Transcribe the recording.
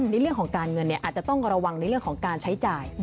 ในเรื่องของการเงินอาจจะต้องระวังในเรื่องของการใช้จ่าย